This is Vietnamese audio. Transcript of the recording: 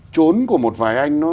chốn của một vài anh nó